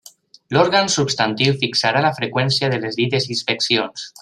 L'òrgan substantiu fixarà la freqüència de les dites inspeccions.